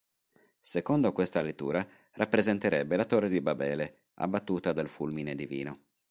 Secondo questa lettura rappresenterebbe la Torre di Babele, abbattuta dal fulmine divino.